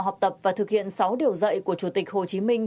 học tập và thực hiện sáu điều dạy của chủ tịch hồ chí minh